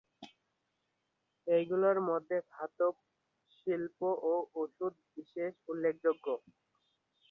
এগুলির মধ্যে ধাতব শিল্প ও ওষুধ বিশেষ উল্লেখযোগ্য।